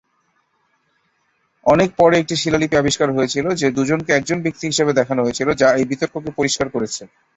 অনেক পরে একটি শিলালিপি আবিষ্কার হয়েছিল যে দুজনকে একজন ব্যক্তি হিসাবে দেখানো হয়েছিল, যা এই বিতর্ককে পরিষ্কার করেছে।